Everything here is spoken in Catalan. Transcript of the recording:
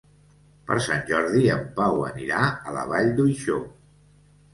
Per Sant Jordi en Pau anirà a la Vall d'Uixó.